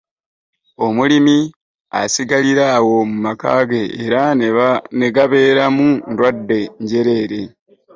Omulimi asigalira awo mu maka ge era ne gabeera mu ndwadde njereere.